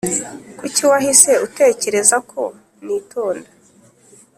Kuki waahise utekereza ko nitonda